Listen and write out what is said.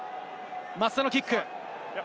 松田のキック。